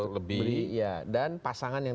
lebih dan pasangan yang